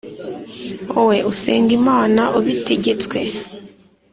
wowe usenga imana ubitegetswe